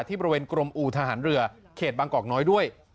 บริเวณกรมอู่ทหารเรือเขตบางกอกน้อยด้วย